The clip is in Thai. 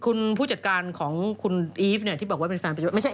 คุณผู้จัดการของคุณอีฟเนี่ยที่บอกว่าเป็นแฟนประจำไม่ใช่